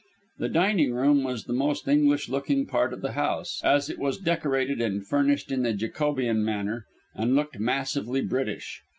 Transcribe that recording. The dining room was the most English looking part of the house, as it was decorated and furnished in the Jacobean manner, and looked massively British.